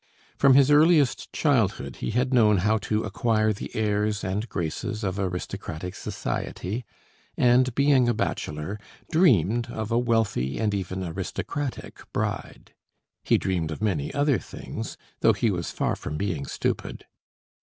From his earliest childhood he had known how to acquire the airs and graces of aristocratic society, and being a bachelor, dreamed of a wealthy and even aristocratic bride. He dreamed of many other things, though he was far from being stupid.